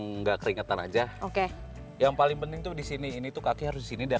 apa yang enggak keringetan aja oke yang paling penting tuh disini ini tuh kaki harus ini deh